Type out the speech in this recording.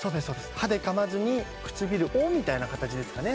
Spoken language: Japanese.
歯でかまずに唇「お」みたいな形ですかね